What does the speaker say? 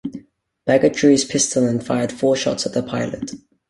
Baggett drew his pistol and fired four shots at the pilot.